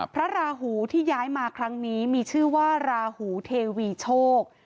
พระราหูที่ย้ายมาครั้งนี้มีชื่อว่าราหูเทวีโชค